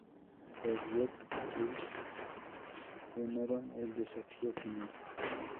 Los Good Guys ganaron el desafío final.